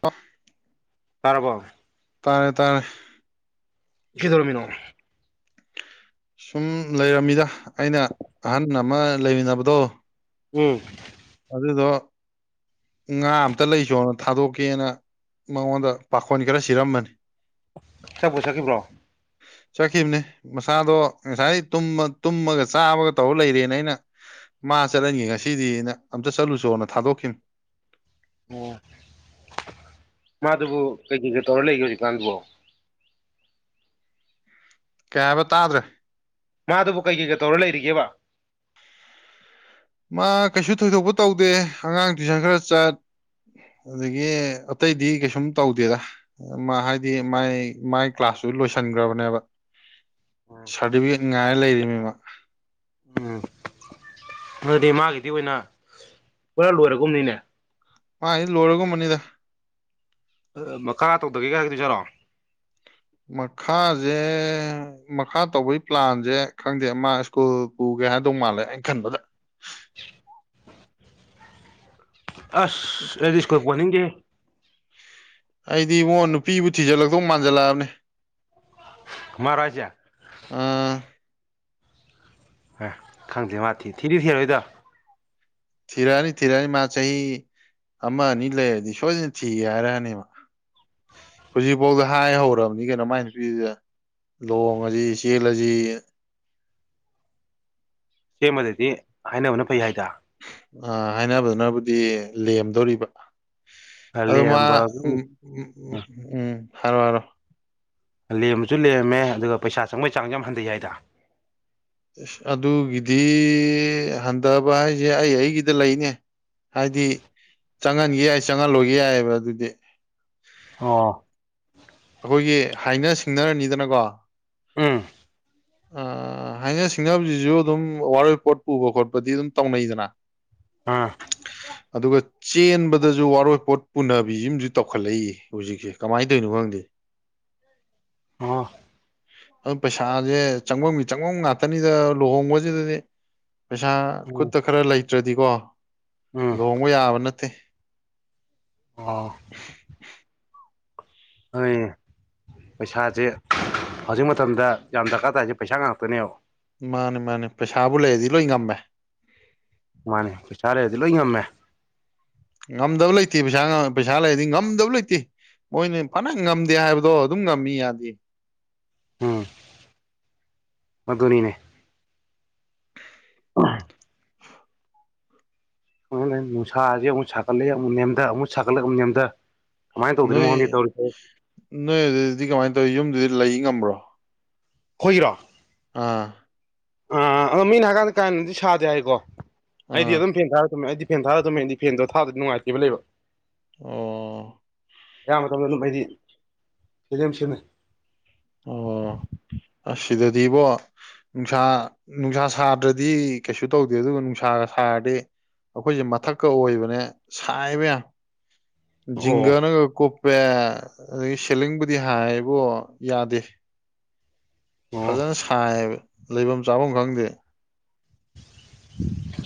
cough ꯇꯔꯔꯕꯣ ꯇꯥꯔꯦ ꯇꯥꯔꯦ ꯀꯩꯗꯧꯔꯃꯤꯅꯣ ꯁꯨꯝ ꯂꯩꯔꯝꯃꯤꯗ ꯑꯩꯅ ꯑꯍꯟ ꯑꯃ ꯂꯩꯃꯤꯟꯅꯕꯗꯣ ꯎꯝ ꯑꯗꯨꯗꯣ ꯉꯥ ꯑꯝꯇ ꯂꯩꯁꯣꯅ ꯊꯥꯗꯣꯛꯀꯦꯅ ꯃꯉꯣꯟꯗ ꯄꯥꯈꯣꯟ ꯈꯔ ꯁꯤꯔꯝꯕꯅꯤ ꯆꯠꯄꯣ ꯆꯠꯈꯤꯕ꯭ꯔꯣ ꯆꯀꯤꯝꯅꯦ ꯃꯁꯥꯗꯣ ꯉꯁꯥꯏ ꯇꯨꯝꯃꯒ ꯆꯥꯕꯒ ꯇꯧꯔ ꯂꯩꯔꯦꯅ ꯑꯩꯅ ꯃꯥ ꯆꯠꯍꯟꯒꯦ ꯉꯁꯤꯗꯤ ꯑꯝꯇ ꯆꯠꯂꯨꯁꯣꯅ ꯊꯥꯗꯣꯛꯈꯤꯕ ꯑꯣ ꯃꯥꯗꯨꯕꯨ ꯀꯩꯀꯩ ꯀꯩ ꯇꯧꯔ ꯂꯩꯒꯦ ꯍꯧꯖꯤꯛꯀꯥꯟꯗꯨꯕꯣ ꯀꯦꯕꯥ ꯇꯥꯗ꯭ꯔ ꯃꯥꯗꯨꯕꯨ ꯀꯩ ꯀꯩꯀꯩ ꯇꯧꯔꯒ ꯂꯩꯔꯤꯒꯦꯕ ꯃꯥ ꯀꯩꯁꯨ ꯊꯣꯏꯗꯣꯛꯄ ꯇꯧꯗꯦ ꯑꯉꯥꯡ ꯇꯨꯏꯁꯟ ꯈꯔ ꯆꯠ ꯑꯗꯒꯤ ꯑꯇꯩꯗꯤ ꯀꯩꯁꯨꯝ ꯇꯧꯗꯦꯗ ꯃꯥ ꯍꯥꯏꯗꯤ ꯃꯥꯏ ꯃꯥꯏ ꯀ꯭ꯂꯥꯁꯁꯨ ꯂꯣꯏꯁꯟꯈ꯭ꯔꯕꯅꯦꯕ ꯁꯥꯔꯇꯤꯐꯤꯀꯦꯠ ꯉꯥꯏ ꯂꯩꯔꯤꯃꯤꯃ ꯎꯝ ꯑꯗꯨꯗꯤ ꯃꯥꯒꯤꯗꯤ ꯑꯣꯏꯅ ꯄꯨꯔ ꯂꯣꯏꯔꯒꯨꯝꯅꯤꯅꯦ ꯃꯥ ꯑꯩ ꯂꯣꯏꯔꯒꯨꯝꯕꯅꯤꯗ ꯃꯈꯥ ꯇꯧꯗꯒꯦ ꯀꯥꯏ ꯍꯥꯢꯔꯛꯗꯣꯏꯖꯥꯔꯣ ꯃꯈꯥꯥꯁꯦ ꯃꯈꯥ ꯇꯧꯕꯩ ꯄ꯭ꯂꯥꯟꯁꯦ ꯈꯪꯗꯦ ꯃꯥ ꯁ꯭ꯀꯨꯜ ꯄꯨꯒꯦ ꯍꯥꯏꯗꯧ ꯃꯥꯜꯂꯦ ꯑꯩꯅ ꯈꯟꯕꯗ [unintelligible] ꯑꯁ ꯔꯗꯤ ꯁꯀꯣꯏꯄꯅꯤꯡꯒꯦ ꯑꯩꯗꯤ ꯏꯕꯉꯣ ꯅꯨꯄꯤꯕꯨ ꯊꯤꯖꯤꯜꯂꯛꯇꯧ ꯃꯥꯟꯁꯤꯜꯂꯛꯑꯕꯅꯦ ꯃꯍꯥꯔꯥꯖꯥ ꯑꯥ ꯍꯣꯏ ꯈꯪꯗꯦ ꯃꯥ ꯊꯤ ꯊꯤꯗꯤ ꯊꯤꯔꯣꯏꯗꯣ ꯊꯤꯔꯅꯤ ꯊꯤꯔꯅꯤ ꯃꯥ ꯆꯍꯤ ꯑꯃ ꯑꯅꯤ ꯂꯩꯔꯗꯤ ꯁꯣꯏꯗꯅ ꯊꯤꯒꯦ ꯍꯥꯏꯔꯛꯅꯦꯕ ꯍꯧꯖꯤꯛꯐꯥꯎꯗ ꯍꯥꯏ ꯍꯧꯔꯕꯅꯤ ꯀꯩꯅꯣ ꯃꯥꯏ ꯅꯨꯄꯤꯤꯁꯤꯗ ꯂꯣꯡ ꯑꯁꯤ ꯏꯆꯦꯜ ꯑꯁꯤ ꯁꯦꯝꯃꯗꯗꯤ ꯍꯥꯏꯅꯕꯅ ꯐꯩ ꯍꯥꯏꯗ ꯍꯥꯏꯅꯕꯗꯨꯅꯕꯨꯗꯤ ꯂꯦꯝꯗꯣꯔꯤꯕ ꯑ ꯃꯥ ꯂꯦꯝꯕ ꯎ ꯎꯝ ꯎꯝ ꯍꯥꯏꯔꯛꯑꯣ ꯍꯥꯢꯔꯛꯑꯣ ꯂꯦꯝꯕꯁꯨ ꯂꯔꯝꯃꯦ ꯑꯗꯨꯒ ꯄꯩꯁꯥ ꯆꯪꯕꯩ ꯆꯥꯡꯁꯨ ꯌꯥꯝ ꯍꯟꯊꯩ ꯍꯥꯏꯏꯗ ꯑꯁ ꯑꯗꯨꯒꯤꯗꯤ ꯍꯟꯊꯕ ꯍꯥꯏꯁꯦ ꯑꯩ ꯑꯩꯒꯤꯗ ꯂꯩꯅꯦ ꯍꯥꯏꯗꯤ ꯆꯪꯍꯟꯒꯦ ꯌꯥꯏ ꯆꯪꯍꯜꯂꯣꯏꯒ ꯌꯥꯏꯑꯕ ꯑꯗꯨꯗꯤ ꯑꯣ ꯑꯩꯈꯣꯏꯒꯤ ꯍꯥꯏꯅ ꯁꯤꯡꯅꯔꯅꯤꯗꯅꯀꯣ ꯎꯝ ꯑ ꯍꯥꯏꯅ ꯁꯤꯡꯅꯕꯖꯤꯁꯨ ꯑꯗꯨꯝ ꯋꯥꯔꯣꯏ ꯄꯣꯠ ꯄꯨꯕ ꯈꯣꯠꯄꯗꯤ ꯑꯗꯨꯝ ꯇꯧꯅꯩꯗꯅ ꯑꯥ ꯑꯗꯨꯒ ꯆꯦꯟꯕꯗꯁꯨ ꯋꯥꯔꯣꯏꯄꯣꯠ ꯄꯨꯅꯕꯤꯁꯤꯃꯁꯨ ꯇꯧꯈꯠꯂꯛꯏ ꯍꯧꯖꯤꯛꯁꯦ ꯀꯃꯥꯏꯅ ꯇꯧꯔꯤꯅꯣ ꯈꯪꯗꯦ ꯎꯝ [inaudible] ꯑꯗꯨ ꯄꯩꯁꯥꯖꯦ ꯆꯪꯉꯝꯒꯤ ꯆꯪꯉꯝ ꯉꯥꯛꯇꯅꯤꯗ ꯂꯨꯍꯣꯡꯕꯁꯤꯗꯗꯤ ꯄꯩꯁꯥ ꯎꯝ ꯈꯨꯠꯇ ꯈꯔ ꯂꯩꯇ꯭ꯔꯗꯤꯀꯣ ꯎꯝ ꯂꯨꯍꯣꯡꯕ ꯌꯥꯕ ꯅꯠꯇꯦ ꯑꯥ ꯑꯗꯨ ꯄꯩꯁꯥꯁꯦ ꯍꯧꯖꯤꯛ ꯃꯇꯝꯗ ꯌꯥꯝ ꯗꯔꯀꯥꯔ ꯇꯥꯏꯁꯦ ꯄꯩꯁꯥ ꯉꯥꯛꯇꯅꯦꯕ ꯃꯥꯅꯦ ꯃꯥꯅꯦ ꯄꯩꯁꯥꯕꯨ ꯂꯩꯔꯗꯤ ꯂꯣꯏ ꯉꯝꯃꯦ ꯃꯥꯅꯦ ꯄꯩꯁꯥ ꯂꯩꯔꯗꯤ ꯂꯣꯏ ꯉꯝꯃꯦ ꯉꯝꯗꯕ ꯂꯩꯇꯦ ꯄꯩꯁꯥ ꯄꯩꯁꯥ ꯂꯩꯔꯗꯤ ꯉꯝꯗꯕ ꯂꯩꯇꯦ ꯃꯣꯏꯅꯦ ꯐꯅ ꯉꯝꯗꯦ ꯍꯥꯏꯕꯗꯣ ꯑꯗꯨꯝ ꯉꯝꯃꯤ ꯌꯥꯗꯦ ꯎꯝ ꯃꯗꯨꯅꯤꯅꯦ ꯑ [inaudible] ꯁꯣꯝꯗꯅ ꯅꯨꯡꯁꯥꯁꯤ ꯑꯃꯨꯛ ꯁꯥꯒꯠꯂꯛꯑꯦ ꯑꯃꯛ ꯅꯦꯝꯗ ꯑꯃꯨꯛ ꯁꯥꯒꯠꯂꯛꯦ ꯑꯃꯨ ꯅꯦꯝꯗ ꯅꯣꯏ ꯅꯣꯏ ꯑꯗꯨꯗꯤ ꯀꯃꯥꯏꯅ ꯇꯧꯋꯤ ꯌꯨꯝꯗꯨꯗꯤ ꯂꯩ ꯉꯝꯕ꯭ꯔꯣ ꯈꯣꯏꯒꯤꯔꯣ ꯑꯥ ꯑꯥ ꯑꯗꯣ ꯃꯤꯅ ꯍꯥꯏꯀꯥꯟꯗ ꯀꯥ ꯍꯦꯟꯅꯗꯤ ꯁꯥꯗꯦ ꯍꯥꯏꯀꯣ ꯑꯩꯗꯤ ꯑꯥ ꯑꯗꯨꯝ ꯐꯦꯟ ꯇꯥꯔ ꯇꯝꯃꯦ ꯑꯩꯗꯤ ꯐꯦꯟ ꯊꯥꯔ ꯑꯗꯨꯝ ꯇꯨꯝꯃꯦ ꯐꯦꯟꯗꯣ ꯊꯥꯗꯔꯗꯤ ꯅꯨꯡꯉꯥꯏꯇꯦꯕ ꯂꯩꯕ ꯑꯣ ꯑꯌꯥꯝꯕ ꯃꯇꯝꯗ ꯑꯗꯨꯝ ꯍꯥꯏꯗꯤ ꯐꯤ ꯁꯦꯝꯃꯦ ꯑꯣ [unintelligible] ꯑꯁ ꯁꯤꯗꯗꯤ ꯢꯕꯣ ꯅꯨꯡꯁꯥ ꯅꯨꯡꯁꯥ ꯁꯥꯗ꯭ꯔꯗꯤ ꯀꯩꯁꯨ ꯇꯧꯗꯦ ꯑꯗꯨꯒ ꯅꯨꯡꯁꯥꯒ ꯁꯥꯔꯗꯤ ꯑꯩꯈꯣꯏꯁꯦ ꯃꯊꯛꯀ ꯑꯣꯏꯕꯅꯦ ꯁꯥꯏꯕ ꯌꯥꯝ ꯑꯣ ꯖꯤꯡꯒꯅꯒ ꯀꯨꯞꯄꯦ ꯑꯗꯒꯤ ꯁꯦꯂꯤꯡꯕꯨꯗꯤ ꯍꯥꯏꯕꯣ ꯌꯥꯗꯦ ꯑꯣ ꯐꯖꯅ ꯁꯥꯏꯌꯦꯕ ꯂꯩꯐꯝ ꯆꯥꯐꯝ ꯈꯪꯗꯦ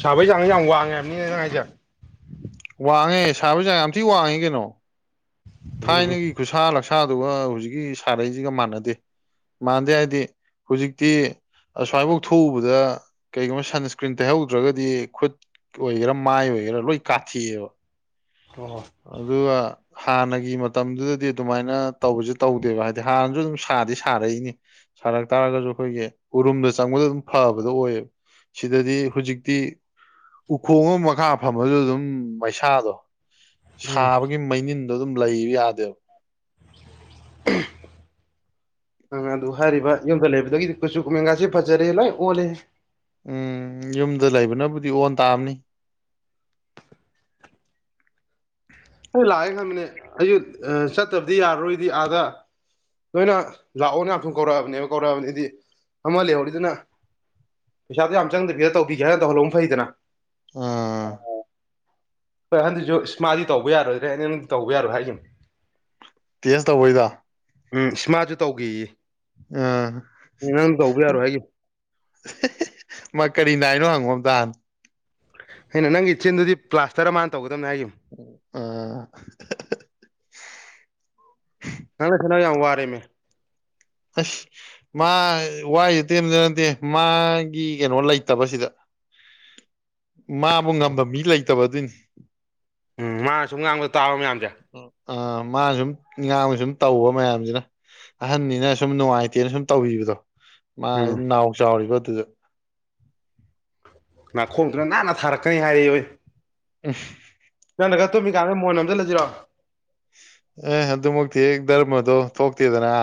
ꯁꯥꯕꯒꯤ ꯆꯪꯁꯦ ꯌꯥꯝ ꯋꯥꯟꯉꯦ ꯍꯥꯏꯕꯥꯅꯤꯅꯦ ꯅꯪ ꯍꯥꯏꯁꯤ ꯋꯥꯡꯉꯦ ꯁꯥꯕꯒꯤ ꯆꯥꯛ ꯌꯥꯝ ꯊꯤ ꯋꯥꯡꯉꯤ ꯀꯩꯅꯣ ꯎꯝ ꯊꯥꯏꯅꯒꯤ ꯈꯨꯠꯁꯥ ꯂꯛꯁꯥꯗꯨꯒ ꯍꯧꯖꯤꯛꯀꯤ ꯁꯥꯔꯛꯏꯁꯤꯒ ꯃꯥꯟꯅꯗꯦ ꯃꯥꯟꯗꯦ ꯍꯥꯏꯗꯤ ꯍꯧꯖꯤꯛꯇꯤ ꯑꯁ꯭ꯋꯥꯏꯐꯧ ꯊꯣꯛꯎꯕꯗ ꯀꯩꯒꯨꯝꯕ ꯁꯟꯁꯀ꯭ꯔꯤꯟ ꯇꯩꯍꯧꯗ꯭ꯔꯒꯗꯤ ꯈꯨꯠ ꯑꯣꯏꯒꯦꯔꯥ ꯃꯥꯏ ꯑꯣꯏꯒꯦꯔꯥ ꯂꯣꯏ ꯀꯥꯊꯦꯛꯑꯦꯕ ꯍꯣꯢ ꯍꯣꯢ ꯑꯗꯨꯒ ꯍꯥꯟꯅꯒꯤ ꯃꯇꯝꯗꯨꯗꯗꯤ ꯑꯗꯨꯃꯥꯏꯅ ꯇꯧꯕꯁꯦ ꯇꯧꯗꯦꯕ ꯍꯥꯏꯗꯤ ꯍꯥꯟꯅꯁꯨ ꯑꯗꯨꯝ ꯁꯥꯗꯤ ꯁꯥꯔꯛꯏꯅꯤ ꯁꯥꯔꯛ ꯇꯥꯔꯒꯁꯨ ꯑꯩꯈꯣꯏꯒꯤ ꯎꯔꯨꯝꯗ ꯆꯪꯕꯗ ꯑꯗꯨꯝ ꯐꯕꯗꯣ ꯑꯣꯏꯌꯦꯕ ꯁꯤꯗꯗꯤ ꯍꯧꯖꯤꯛꯇꯤ ꯎꯈꯣꯡ ꯑꯃ ꯃꯈꯥ ꯐꯝꯃꯁꯨ ꯑꯗꯨꯝ ꯃꯩꯁꯥꯗꯣ ꯎꯝ ꯁꯥꯕꯒꯤ ꯃꯩꯅꯤꯟꯗꯣ ꯑꯗꯨꯝ ꯂꯩꯕ ꯌꯥꯗꯦꯕ [inaudible] ꯅꯪ ꯑꯗꯨ ꯍꯥꯏꯔꯤꯕ ꯌꯨꯝꯗ ꯂꯩꯕꯗꯒꯤꯗꯤ ꯀꯨꯆꯨ ꯀꯨꯃꯦꯟꯒꯁꯦ ꯐꯖꯔꯦ ꯂꯣꯏ ꯑꯣꯜꯂꯦ ꯎꯝ ꯌꯨꯝꯗ ꯂꯩꯕꯅꯕꯨꯗꯤ ꯑꯣꯟ ꯇꯥꯕꯅꯤ ꯑꯩ ꯂꯥꯛꯑꯒꯦ ꯈꯥꯟꯕꯅꯦ ꯑꯩꯁꯨ ꯆꯠꯇꯕꯗꯤ ꯌꯥꯔꯔꯣꯏꯗꯤ ꯑꯥꯗ ꯅꯣꯏꯅ ꯂꯥꯛꯑꯣ ꯌꯥꯝꯊꯨꯅ ꯀꯧꯔꯛꯑꯕꯅꯦꯕ ꯀꯧꯔꯛꯑꯕꯅꯦꯗꯤ ꯑꯃ ꯂꯩꯍꯧꯔꯤ ꯑꯗꯨꯅ ꯄꯩꯁꯥꯗꯣ ꯌꯥꯝ ꯆꯪꯗ꯭ꯔꯦꯒꯥꯟꯗ ꯇꯧꯕꯤꯒꯦꯅ ꯇꯧꯍꯜꯂꯧꯕꯅ ꯐꯩꯗꯅ ꯑꯥꯝ ꯈꯣꯢ ꯑꯍꯟꯗꯨꯁꯨ ꯏꯁ ꯃꯥꯥꯗꯤ ꯇꯧꯕ ꯌꯥꯔꯣꯏꯗꯔꯅꯦ ꯑꯩꯅ ꯇꯧꯕ ꯌꯥꯔꯣꯏ ꯍꯥꯏꯈꯤꯕꯅꯦ ꯇꯦꯁ ꯇꯧꯕꯩꯗ ꯎꯝ ꯏꯁꯃꯥꯁꯨ ꯇꯧꯈꯤꯌꯦ ꯑꯥ [unintelligible] [inaudible] ꯍꯥꯏꯈꯤꯕꯅꯦ ꯃꯥ ꯀꯔꯤ ꯅꯥꯏꯅꯣ ꯍꯪꯉꯣꯝꯇꯍꯥꯟ ꯑꯩꯅ ꯅꯪ ꯏꯆꯤꯟꯗꯨꯗꯤ ꯄ꯭ꯂꯥꯁꯇꯔ ꯃꯥꯅ ꯇꯧꯒꯗꯕꯅꯦ ꯍꯥꯏꯈꯤꯕꯨ ꯑꯣ ꯅꯪ ꯁꯅ ꯌꯥꯝꯉꯔꯦ ꯃ ꯑꯁ ꯃꯥ ꯋꯥꯏꯁꯦ ꯇꯦꯟꯖ ꯅꯠꯇꯦ ꯃꯥꯒꯤ ꯀꯩꯅꯣ ꯂꯩꯇꯕꯁꯤꯗ ꯃꯥꯕꯨ ꯉꯝꯕ ꯃꯤ ꯂꯩꯇꯕ ꯑꯗꯨꯏꯅꯤ ꯎꯝ ꯃꯥ ꯁꯨꯝ ꯉꯥꯡꯗꯣ ꯇꯥꯕ ꯃꯌꯥꯝꯁꯦ ꯑ ꯃꯥꯅ ꯁꯨꯝ ꯏꯥꯡꯅ ꯁꯨꯝ ꯇꯧꯕꯧꯕ ꯃꯌꯥꯝꯁꯤꯅ ꯑꯍꯟꯅꯤꯅ ꯁꯨꯝ ꯅꯨꯡꯉꯥꯏꯇꯦꯅ ꯁꯨꯝ ꯇꯧꯕꯤꯕꯗꯣ ꯃꯥ ꯎꯝ ꯅꯥꯎ ꯆꯥꯎꯔꯤꯕ ꯑꯗꯨꯗ ꯅꯥꯈꯣꯡꯗꯨꯅ ꯅꯥꯟꯅ ꯊꯥꯔꯛꯀꯅꯤ ꯍꯥꯏꯔꯤ ꯑꯣꯏ ꯑꯦꯐ ꯅꯪꯅꯒ ꯇꯨꯝꯃꯤꯀꯥꯟꯗ ꯃꯣꯏꯅ ꯑꯝꯗ ꯂꯩꯁꯤꯔꯣ ꯑꯦ ꯑꯗꯨꯃꯛꯇꯤ ꯗꯔꯃꯗꯣ ꯊꯣꯛꯇꯦꯗꯅ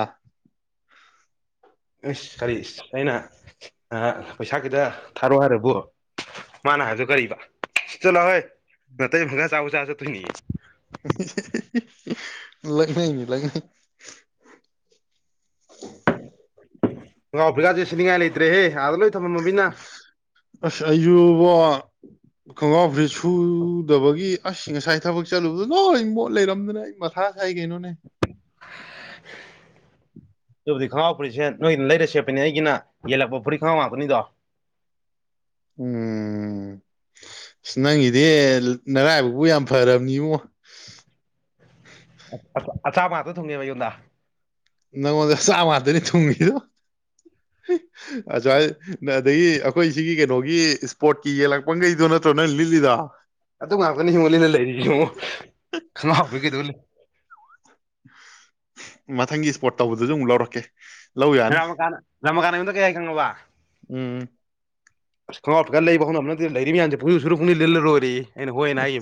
ꯏꯁ ꯀꯔꯤ ꯑꯩꯅ ꯄꯩꯁꯥ ꯈꯤꯇ ꯊꯥꯔꯛ ꯍꯥꯏꯔꯕꯣ ꯃꯥꯅ ꯍꯥꯏꯁꯨ ꯀꯔꯤꯕ ꯁꯤ ꯆꯂꯥꯛꯑꯣꯍꯣꯏ ꯅꯅꯥꯇꯩ ꯃꯈꯥ ꯆꯥꯕ ꯆꯥ ꯆꯠꯇꯣꯏꯅꯤ ꯂꯒꯅ ꯃꯤ ꯂꯒꯅ ꯉꯥꯎ ꯐ꯭ꯔꯤꯀꯥꯁꯦ ꯁꯤꯅꯤꯡꯉꯥꯏ ꯂꯩꯇ꯭ꯔꯦꯍꯦ ꯑꯥꯗ ꯂꯣꯏ ꯊꯝꯃꯕꯃꯤꯅ ꯑꯁ ꯑꯌꯨꯕꯣ ꯈꯣꯡꯒ꯭ꯔꯥꯎ ꯐ꯭ꯔꯤꯠ ꯁꯨꯗꯕꯒꯤ ꯑ ꯉꯁꯥꯏ ꯊꯕꯛ ꯆꯠꯂꯨꯕꯗꯣ ꯅꯣꯏ ꯏꯪ ꯃꯣꯠ ꯂꯩꯔꯝꯗꯅ ꯑꯩ ꯃꯊꯥ ꯈꯥꯏꯒ ꯏꯅꯣꯅꯦ [unintelligible] ꯑꯗꯨꯕꯨꯗꯤ ꯈꯪꯍꯥꯎ ꯐꯨꯔꯤꯁꯦ ꯅꯣꯏꯅ ꯂꯩꯔ ꯁꯦꯠꯄꯅꯦ ꯑꯩꯒꯤꯅ ꯌꯦꯜꯂꯛꯄ ꯐꯨꯔꯤ ꯈꯪꯉꯥꯎ ꯉꯥꯛꯇꯅꯤꯗꯣ ꯎꯝ ꯅꯪꯒꯤꯗꯤ ꯅꯔꯥꯏꯕꯛꯕꯨ ꯌꯥꯝ ꯐꯔꯕꯅꯤ ꯏꯉꯣ ꯑꯆꯥꯕ ꯉꯥꯛꯇ ꯊꯨꯡꯉꯦꯕ ꯑꯩꯉꯣꯟꯗ ꯅꯉꯣꯟꯗ ꯆꯥꯃꯇꯅꯤ ꯊꯨꯡꯉꯗꯣ ꯑꯁꯏ ꯑꯗꯒꯤ ꯑꯩꯈꯣꯏ ꯁꯤꯒꯤ ꯀꯩꯅꯣꯒꯤ ꯏꯁꯄꯣꯔꯠꯀꯤ ꯌꯦꯛꯂꯛꯄꯈꯩꯗꯣ ꯅꯠꯇ꯭ꯔꯣ ꯅꯪ ꯂꯤꯠꯂꯤꯗ ꯑꯗꯨ ꯉꯥꯛꯇꯅꯤ ꯍꯤꯡꯉꯣꯜꯂꯤꯅ ꯂꯩꯔꯤ ꯌꯦꯡꯉꯣ ꯈꯪꯥꯎꯕ ꯀꯩꯗꯧ ꯃꯊꯪꯒꯤ ꯏꯁꯄꯣꯔꯠ ꯇꯧꯕꯗꯨꯁꯨ ꯑꯃꯨꯛ ꯂꯧꯔꯛꯀꯦ ꯂꯧ ꯌꯥꯅꯤ ꯔꯃ ꯀꯥꯟ ꯔꯃ ꯀꯥꯟꯅ ꯌꯗ ꯀꯩ ꯍꯥꯏ ꯈꯪꯉꯣꯕ ꯎꯝ ꯑꯁ ꯈꯪꯉꯞꯀꯔ ꯂꯩꯕ ꯍꯧꯅꯅ ꯂꯩꯔꯤ ꯃꯌꯥꯝꯁꯦ ꯄꯨ ꯁꯨꯔꯛꯅꯤ ꯂꯤꯜꯂꯔꯣꯏꯔꯦ ꯑꯩꯅ ꯍꯣꯏ ꯑꯅ ꯍꯥꯏꯌꯦ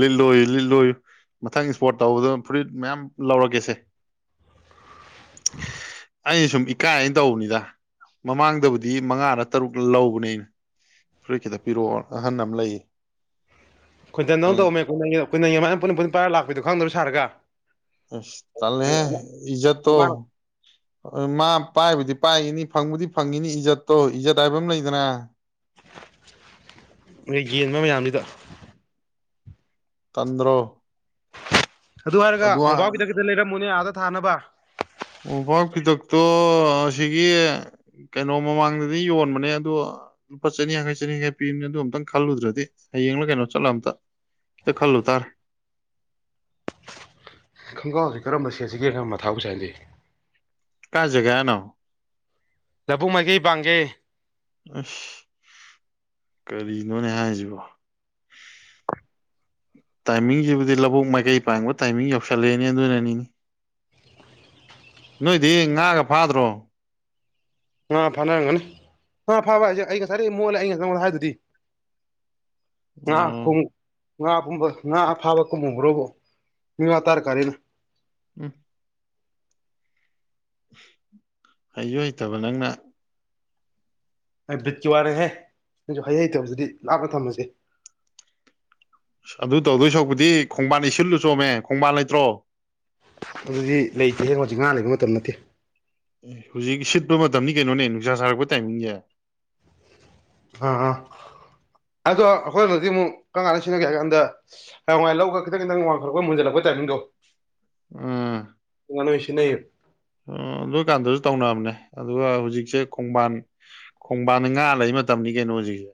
ꯂꯤꯠꯂꯣꯏ ꯂꯤꯠꯂꯣꯏ ꯃꯊꯪ ꯏꯁꯄꯣꯔꯠ ꯇꯧꯕꯗ ꯐꯨꯔꯤꯠ ꯃꯌꯥꯝ ꯂꯧꯔꯛꯀꯦꯁꯦ ꯑꯩꯅ ꯁꯨꯝ ꯏꯀꯥꯏꯅ ꯇꯧꯕꯅꯤꯗ ꯃꯃꯥꯡꯗꯕꯨꯗꯤ ꯃꯉꯥꯗ ꯇꯔꯨꯛ ꯂꯧꯕꯅꯦ ꯑꯩꯅ ꯐꯨꯔꯤꯠ ꯈꯤꯇ ꯄꯤꯔꯛꯑꯣ ꯑꯍꯟ ꯑꯃ ꯂꯩꯌꯦ ꯑꯩꯣꯏꯟꯗ ꯑꯩꯅ ꯅꯪꯧꯝꯃꯦ ꯑꯩꯣꯏ ꯀꯥꯏ ꯄꯨ ꯄꯨꯟ ꯄꯥꯏꯔ ꯂꯥꯛꯄꯤꯗꯣ ꯈꯪꯗꯕ ꯁꯥꯔꯒ ꯑ ꯇꯦ ꯏꯖ ꯇꯣ ꯃꯥꯅ ꯃꯥ ꯄꯥꯏꯕꯨꯗꯤ ꯄꯥꯏꯈꯤꯅꯤ ꯐꯪꯕꯨꯗꯤ ꯐꯪꯉꯤꯅꯤ ꯏꯖꯠꯇꯣ ꯏꯖꯠ ꯍꯥꯏꯕ ꯑꯃ ꯂꯩꯗꯅ ꯅꯣꯏ ꯌꯦꯟꯕ ꯃꯌꯥꯝꯁꯤꯗ ꯇꯟꯗ꯭ꯔꯣ ꯑꯗꯨ ꯍꯥꯏꯔꯒ ꯕꯕꯥꯎꯒꯤꯗ ꯀꯗ ꯂꯩꯔꯝꯃꯨꯅꯦ ꯑꯥꯗ ꯊꯥꯅꯕ ꯎꯄꯥꯛ ꯀꯤꯗꯛꯇꯣ ꯑꯁꯤꯒꯤ ꯀꯩꯅꯣ ꯃꯃꯥꯡꯗꯗꯤ ꯌꯣꯟꯕꯅꯦ ꯑꯗꯣ ꯂꯨꯄꯥ ꯆꯅꯤ ꯌꯥꯡꯈꯩ ꯆꯅꯤ ꯌꯥꯡꯈꯩ ꯄꯤꯔꯤꯅꯤ ꯑꯗꯨ ꯑꯨꯛꯇꯪ ꯈꯜꯂꯨꯗ꯭ꯔꯗꯤ ꯍꯌꯦꯡꯂ ꯀꯩꯅꯣ ꯆꯠꯂ ꯑꯝꯇ ꯈꯜꯂꯨ ꯇꯔ ꯈꯣꯡꯒ꯭ꯔꯥꯎꯁꯤ ꯀꯔꯝꯕ ꯁꯦꯠꯁꯤꯒꯦ ꯀꯔꯝꯕ ꯃ ꯊꯥꯕꯨ ꯁꯦ ꯍꯥꯏꯟꯁꯦ ꯀꯥ ꯖꯒꯥꯅ ꯂꯕꯨꯛ ꯃꯍꯒꯤꯩ ꯄꯥꯡꯒꯦ ꯑꯁ ꯀꯔꯤꯅꯣꯅꯦ ꯍꯥꯏꯁꯤꯕꯣ ꯇꯥꯏꯃꯤꯡꯁꯤꯕꯨꯗꯤ ꯂꯧꯕꯨꯛ ꯃꯥꯏꯀꯩ ꯄꯥꯡꯕ ꯇꯥꯏꯃꯤꯡ ꯌꯧꯁꯜꯂꯛꯑꯦꯅꯤ ꯑꯗꯨꯅꯅꯤ ꯅꯣꯏꯗꯤ ꯉꯥꯒ ꯐꯥꯗ꯭ꯔꯣ ꯑꯥ ꯐꯥꯅꯔꯝꯒꯅꯤ ꯑꯥ ꯐꯥꯕ ꯍꯥꯏꯁꯦ ꯑꯩ ꯉꯁꯥꯏꯗꯒꯤ ꯃꯣꯠꯂꯦ ꯑꯩꯩꯅ ꯉꯪꯗ ꯍꯥꯏꯗꯨꯗꯤ ꯉꯥ ꯑꯣ ꯉꯥ ꯄꯨꯝꯕ ꯉꯥ ꯐꯥꯕ ꯈꯨꯝꯍꯈ꯭ꯔꯕ ꯃꯤ ꯋꯥ ꯇꯥꯔ ꯀꯥꯔꯤꯅ ꯎꯝ ꯍꯩꯁꯨ ꯍꯇꯕ ꯅꯪꯅ ꯑꯩ ꯕ꯭ꯔꯤꯖꯀꯤ ꯋꯥꯔꯦꯍꯦ ꯅꯁꯨ ꯍꯩ ꯍꯩꯇꯕꯗꯨꯗꯤ ꯂꯥꯞꯅ ꯊꯝꯃꯁꯦ ꯑꯗꯨ ꯇꯧꯗꯣꯏ ꯁꯄꯨꯗꯤ ꯈꯣꯡꯕꯥꯟ ꯏꯁꯤꯜꯂꯨ ꯆꯣꯝꯃꯦ ꯈꯣꯡꯕꯥꯟ ꯂꯩꯇ꯭ꯔꯣ ꯑꯗꯨꯗꯤ ꯂꯩꯇꯦ ꯍꯦꯉꯣ ꯍꯧꯖꯤꯛ ꯉꯥ ꯂꯩꯕ ꯃꯇꯝ ꯅꯠꯇꯦ ꯑꯦ ꯍꯧꯖꯤꯛ ꯁꯤꯠꯄ ꯃꯇꯝ ꯀꯩꯅꯣꯅꯦ ꯅꯨꯡꯁꯥ ꯁꯥꯔꯛꯄ ꯇꯥꯏꯃꯤꯡꯁꯦ ꯑ ꯑꯗꯣ ꯑꯩꯈꯣꯏꯅꯗꯤ ꯑꯃꯨꯛ ꯀꯔꯀꯥꯟꯗ ꯁꯤꯖꯤꯟꯅꯒꯦ ꯍꯥꯏ ꯀꯥꯟꯗ ꯍꯉꯥꯏ ꯂꯧꯒ ꯈꯤꯪꯟꯇꯪ ꯋꯥꯡꯊꯣꯔꯄꯨꯜꯂꯄ ꯇꯥꯏꯃꯤꯡꯣ ꯑꯥ ꯏꯅ ꯃꯁꯤꯤꯟ ꯑꯗꯨ ꯑꯣꯏꯀꯥꯟꯗꯁꯨ ꯇꯧꯅꯕꯅꯦ ꯑꯗꯨꯒ ꯍꯧꯖꯤꯛꯁꯦ ꯈꯣꯡꯕꯥꯟ ꯈꯣꯡꯕꯥꯟ ꯉꯥ ꯂꯩꯕ ꯃꯇꯝꯅꯤ ꯀꯩꯅꯣ ꯍꯧꯖꯤꯛꯁꯦ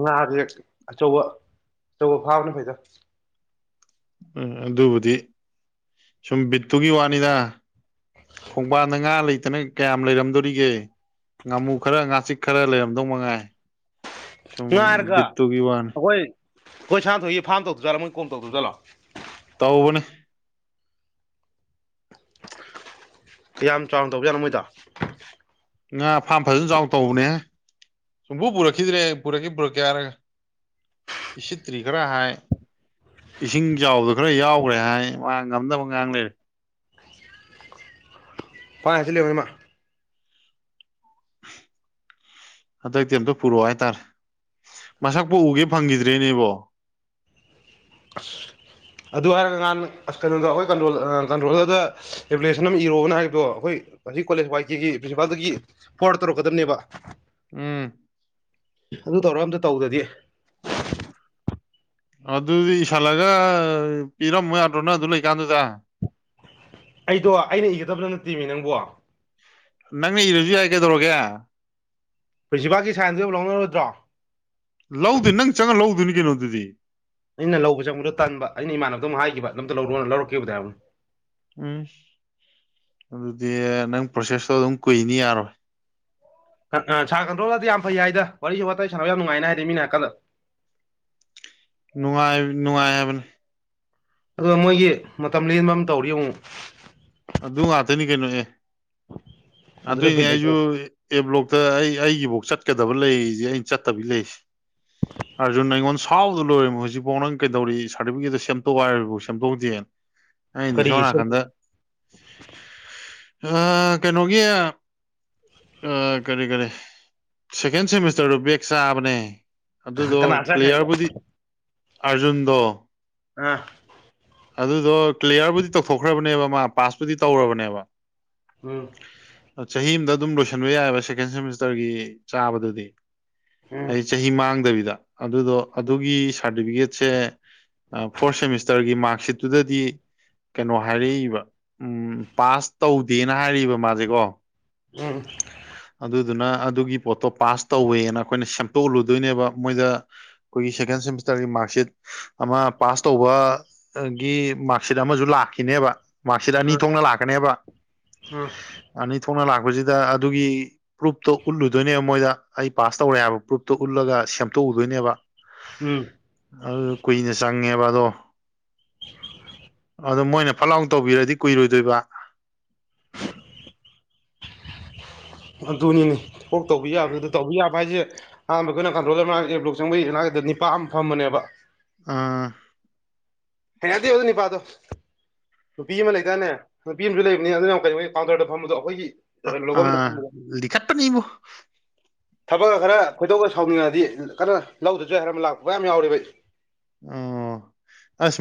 ꯉꯥꯁꯦꯦꯛ ꯑꯆꯧꯕ ꯑꯆꯧꯕ ꯐꯥꯕꯅ ꯐꯩꯗ ꯎꯝ ꯑꯗꯨꯕꯨꯗꯤ ꯁꯨꯝ ꯕꯤꯠꯇꯨꯒꯤ ꯋꯥꯅꯤꯗ ꯈꯣꯡꯕꯥꯟꯗ ꯉꯥ ꯂꯩꯇꯅ ꯀꯌꯥꯝ ꯂꯩꯔꯝꯗꯣꯔꯤꯒꯦ ꯉꯥꯃꯨ ꯈꯔ ꯉꯥꯆꯤꯛ ꯈꯔ ꯂꯩꯔꯝꯗꯧ ꯃꯉꯥꯏ ꯁ ꯗꯨ ꯌ ꯋꯥꯥꯟ ꯍꯣꯏ ꯁꯥꯟ ꯊꯣꯛꯣꯛꯒꯤꯥꯝꯧ ꯆꯥꯠꯣ ꯃꯣꯏ ꯀꯣ ꯇꯧ ꯆꯠꯣ ꯇꯧꯕꯅꯦ ꯀꯌꯥꯝ ꯆꯥꯎꯅ ꯇꯧꯕꯖꯥꯠꯅꯣ ꯃꯣꯏꯗ ꯉꯥ ꯐꯥꯔꯝ ꯐꯖꯅ ꯆꯥꯎ ꯇꯧꯕꯅꯦ ꯁꯨꯝꯄ ꯄꯨꯔꯛꯈꯤꯗ꯭ꯔꯦ ꯄꯨꯔꯛꯈꯤ ꯄꯨꯔꯛꯀꯦ ꯍꯥꯏꯔꯒ ꯁꯤꯁꯤꯠꯇ꯭ꯔꯤ ꯈꯔ ꯍꯥꯏ ꯏꯁꯤꯡ ꯆꯥꯎꯕꯗꯣ ꯈꯔ ꯌꯥꯎꯈ꯭ꯔꯦ ꯍꯥꯏ ꯃꯥ ꯉꯝꯗꯅꯕ ꯉꯥꯡ ꯂꯩꯔꯦ ꯄꯥꯪ ꯍꯥꯏ ꯍꯥꯏ ꯖꯤꯜꯂꯤꯝꯅꯤ ꯃꯥ ꯍꯟꯗꯛꯇꯤ ꯑꯝꯇ ꯄꯨꯔꯛꯑꯣ ꯍꯥꯏꯇꯥꯔꯦ ꯃꯁꯛꯄꯨ ꯎꯒꯦ ꯐꯪꯈꯤꯗ꯭ꯔꯦꯅꯦꯕꯣ ꯑꯗꯨ ꯍꯥꯏꯔꯒ ꯅꯍꯥꯟ ꯑꯁ ꯀꯩꯅꯣꯗ ꯑꯩꯈꯣꯏꯣꯜ ꯀꯟꯇ꯭ꯔꯣꯂꯔꯗ ꯔꯤꯒꯨꯂꯦꯁꯟ ꯑꯃ ꯏꯔꯛꯑꯣꯅ ꯍꯥꯏꯕꯗꯣ ꯑꯩꯈꯣꯏ ꯍꯧꯛ ꯀꯣꯂꯦꯖ ꯋꯥꯏ ꯀꯦꯒꯤ ꯄ꯭ꯔꯤꯟꯁꯤꯄꯥꯜꯒꯤ ꯐꯣꯔ ꯇꯧꯔꯛꯀꯗꯕꯅꯦꯕ ꯎꯝ ꯑꯗꯨ ꯇꯧꯔ ꯑꯝꯇ ꯇꯧꯗꯗꯤ ꯑꯗꯨꯗꯤ ꯏꯁꯜꯂꯒ ꯄꯤꯔꯝꯃꯣꯏ ꯑꯗꯔꯅ ꯑꯗꯨ ꯂꯩꯀꯥꯟꯗꯨꯗ ꯑꯩꯗꯣ ꯑꯩꯅ ꯏꯒꯗꯕꯗꯨꯣ ꯅꯠꯇꯦꯅꯦ ꯅꯪꯕꯣ ꯅꯪꯅ ꯏꯔꯁꯨ ꯌꯥꯏ ꯀꯩꯗꯧꯔꯒꯦ ꯄ꯭ꯔꯤꯟꯁꯤꯄꯥꯜꯒꯤꯥꯏꯟꯗꯨ ꯑꯣꯏꯕ ꯂꯧꯅꯔꯣꯏꯗ꯭ꯔꯣ ꯂꯧꯗ ꯅꯪ ꯆꯪꯉꯒ ꯂꯧꯗꯣꯏꯅꯤ ꯀꯩꯅꯣꯗꯨꯗꯤ ꯑꯩꯅ ꯂꯧꯕꯁꯦ ꯑꯃꯨꯛꯇ ꯇꯟꯕ ꯑꯩꯅ ꯏꯃꯥꯟꯅꯕꯗ ꯑꯃꯨ ꯍꯥꯏꯈꯤꯕ ꯑꯝꯗ ꯂꯧꯔꯨꯅ ꯂꯧꯔꯛꯈꯤꯕꯗ ꯍꯥꯏꯕꯅꯦ ꯎꯝ ꯑꯗꯨꯗꯤ ꯅꯪ ꯄ꯭ꯔꯣꯁꯦꯁꯇꯣ ꯑꯗꯨꯝ ꯀꯨꯏꯅꯤ ꯌꯥꯔꯣꯏ ꯑ ꯁꯥ ꯀꯟꯗ꯭ꯔꯜꯗꯗꯤ ꯌꯥꯝ ꯐꯩ ꯍꯥꯏꯗ ꯋꯥꯔꯤꯁꯨ ꯋꯥꯇ ꯁꯥꯟꯅꯕ ꯌꯥꯝ ꯅꯨꯡꯉꯥꯏꯅ ꯍꯥꯏꯗꯤ ꯃꯤ ꯅꯥꯀꯟꯗ ꯅꯨꯡꯉꯥꯏ ꯅꯨꯡꯉꯥꯏ ꯍꯥꯏꯕꯅꯤ ꯑꯗꯨꯒ ꯃꯣꯏꯒꯤ ꯃꯇꯝ ꯂꯦꯟꯕ ꯑꯃ ꯇꯧꯔꯤ ꯑꯃꯨꯛ ꯑꯗꯨ ꯉꯥꯛꯇꯅꯤ ꯀꯩꯅꯣ ꯑꯦ ꯑꯗꯨꯗ ꯑꯗꯨꯣꯏꯅꯦ ꯕꯤꯠ ꯂꯩꯇꯦ ꯑꯩꯁꯨ ꯑꯦꯕ꯭ꯂꯣꯛꯇ ꯑꯩ ꯑꯩꯒꯤꯐꯧ ꯆꯠꯀꯗꯕ ꯂꯩꯔꯤꯁꯦ ꯑꯩꯅ ꯆꯠꯇꯕꯤꯒꯤ ꯂꯩꯔꯤꯁꯦ ꯍ ꯑꯥꯔꯖꯟ ꯑꯩꯉꯣꯟ ꯁꯥꯎꯗ ꯂꯣꯏꯔꯃꯤ ꯍꯧꯖꯤꯛꯐꯥꯎ ꯅꯪ ꯀꯩꯧꯔꯤ ꯁꯥꯔꯇꯤꯐꯤꯀꯦꯠꯇ ꯁꯦꯝꯗꯣꯛꯑꯣ ꯍꯥꯏꯔꯤꯕꯐꯥꯎ ꯁꯦꯝꯗꯣꯛꯇꯦꯅ ꯑꯩ ꯀꯔꯤ ꯁꯦꯝ ꯅꯤꯡꯅꯤꯁꯣꯅꯥꯀꯟꯗ ꯑ ꯀꯩꯅꯣꯒꯤ ꯑ ꯀꯔꯤ ꯀꯔꯤ ꯁꯦꯀꯦꯟ ꯁꯦꯃꯤꯁꯇꯔꯗꯨ ꯕꯦꯛ ꯆꯥꯕꯅꯦ ꯑꯗꯨꯗꯣ ꯀꯅꯥ ꯆꯠꯈ꯭ꯔꯒꯦ ꯀ꯭ꯂꯤꯌꯥꯌꯔꯕꯨꯗꯤ ꯑꯥꯔꯖꯨꯟꯗꯣ ꯑꯥ ꯑꯗꯨꯗꯣ ꯀ꯭ꯂꯤꯌꯥꯔꯕꯨꯗꯤ ꯇꯧꯊꯣꯛꯈ꯭ꯔꯕꯅꯦꯕ ꯃꯥ ꯄꯥꯁꯄꯨꯗꯤ ꯇꯧꯔꯕꯅꯦꯕ ꯎꯝ ꯆꯍꯤ ꯑꯃꯝꯗ ꯑꯗꯨꯝ ꯂꯣꯏꯁꯤꯟꯕ ꯌꯥꯏꯑꯕ ꯁꯦꯀꯦꯟ ꯁꯦꯃꯤꯁꯇꯔꯒꯤ ꯆꯥꯕꯗꯨꯗꯤ ꯎꯝ ꯑꯩ ꯆꯍꯤ ꯃꯥꯡꯗꯕꯤꯗ ꯑꯗꯨꯗꯣ ꯑꯗꯨꯒꯤ ꯁꯥꯔꯇꯤꯐꯤꯀꯦꯠꯁꯦ ꯐꯣꯔ ꯁꯦꯃꯤꯁꯇꯔꯒꯤ ꯃꯥꯔꯛꯁꯤꯠꯇꯨꯗꯗꯤ ꯀꯩꯅꯣ ꯍꯥꯏꯔꯛꯏꯕ ꯎꯝ ꯄꯥꯁ ꯇꯧꯗꯦꯅ ꯍꯥꯏꯔꯛꯕ ꯃꯥꯁꯦꯀꯣ ꯎꯝ ꯑꯗꯨꯗꯨꯅ ꯑꯗꯨꯒꯤ ꯄꯣꯠꯇꯣ ꯄꯥꯁ ꯇꯧꯋꯦꯅ ꯑꯩꯈꯣꯏꯅ ꯁꯦꯝꯗꯣꯛꯂꯨꯗꯣꯏꯅꯦꯕ ꯃꯣꯏꯗ ꯑꯩꯈꯣꯏꯒꯤ ꯁꯦꯀꯦꯟ ꯁꯦꯃꯤꯁꯇꯔꯒꯤ ꯃꯥꯔꯛꯁꯤꯠ ꯑꯃ ꯄꯥꯁ ꯇꯧꯕ ꯒꯤ ꯃꯥꯔꯛꯁꯤꯠ ꯑꯃꯁꯨ ꯂꯥꯛꯈꯤꯅꯦꯕ ꯃꯥꯔꯛꯁꯤꯠ ꯑꯅꯤ ꯎꯝ ꯊꯣꯛꯅ ꯂꯥꯛꯀꯅꯦꯕ ꯎꯝ ꯑꯅꯤ ꯊꯣꯛꯅ ꯂꯥꯛꯄꯁꯤꯗ ꯑꯗꯨꯒꯤ ꯄ꯭ꯔꯨꯞꯇꯣ ꯎꯠꯂꯨꯗꯣꯏꯅꯦꯕ ꯃꯣꯏꯗ ꯑꯩ ꯄꯥꯁ ꯇꯧꯔꯦ ꯍꯥꯏꯕ ꯄ꯭ꯔꯨꯞꯇꯣ ꯎꯠꯂꯒ ꯁꯦꯝꯗꯣꯛꯎꯗꯣꯏꯅꯦꯕ ꯎꯝ ꯑꯗꯨ ꯀꯨꯏꯅ ꯆꯪꯉꯦꯕ ꯑꯗꯣ ꯑꯗꯣ ꯃꯣꯏꯅ ꯐꯠꯥꯎ ꯇꯧꯕꯤꯔꯗꯤ ꯀꯨꯏꯔꯣꯏꯗꯣꯏꯕ [unintelligible] ꯑꯗꯨꯅꯤꯅꯦ ꯀꯛ ꯇꯧꯕꯤ ꯌꯥꯕꯗ ꯑꯗꯨ ꯇꯧꯕ ꯌꯥꯕ ꯍꯥꯏꯁꯦ ꯑꯍꯥꯟꯕ ꯑꯩꯈꯣꯏꯅ ꯀꯟꯇ꯭ꯔꯣꯗꯔ ꯃꯥ ꯑꯦꯞ ꯂꯣꯛ ꯆꯪꯕꯒꯤꯅꯥꯒꯤꯗ ꯄꯥ ꯑꯃ ꯐꯝꯕꯅꯦꯕ ꯑꯥ ꯍꯌꯥꯗꯤ ꯌ ꯑꯗꯨ ꯅꯤꯄꯥꯗꯣ ꯅꯨꯄꯤ ꯑꯃ ꯂꯩꯇꯥꯅꯦ ꯅꯨꯄꯤ ꯑꯃꯁꯨ ꯂꯩꯕꯅꯤ ꯑꯗꯨꯅ ꯀꯩꯅꯣꯒꯤ ꯀꯥꯎꯟꯇꯔꯗ ꯐꯝꯕꯗꯣ ꯑꯩꯈꯣꯏꯒꯤ ꯂꯧꯕꯝꯗ ꯐꯝꯕꯗꯣ [unintelligible] ꯂꯤꯈꯠꯄꯅꯤꯕꯣ ꯊꯕꯛꯒ ꯈꯔ ꯈꯣꯏꯗꯣꯛꯅ ꯁꯥꯎꯅꯤꯡꯉꯗꯤ ꯀꯟꯅ ꯂꯧꯗꯁꯨꯏ ꯍꯥꯏꯔ ꯑꯃ ꯂꯥꯛꯄ ꯃꯌꯥꯝ ꯌꯥꯝ ꯌꯥꯎꯔꯤꯕ ꯑꯩ ꯑꯣ ꯑꯁ